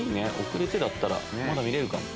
遅れてだったらまだ見れるかも。